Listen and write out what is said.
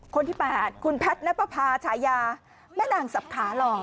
คนที่๘คุณแพทย์นับประพาฉายาแม่นางสับขาหล่อ